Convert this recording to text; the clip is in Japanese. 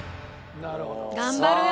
頑張るよ！